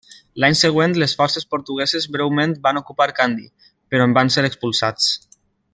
L'any següent les forces portugueses breument van ocupar Kandy, però en van ser expulsats.